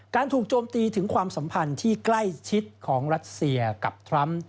ถูกโจมตีถึงความสัมพันธ์ที่ใกล้ชิดของรัสเซียกับทรัมป์